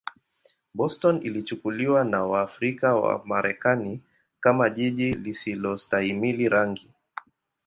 Boston ilichukuliwa na Waafrika-Wamarekani kama jiji lisilostahimili rangi.